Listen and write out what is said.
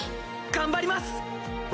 頑張ります！